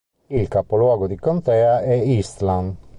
Il capoluogo di contea è Eastland.